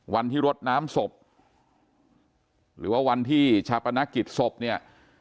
วันที่รดน้ำศพหรือว่าวันที่ชาปนกิจศพเนี่ย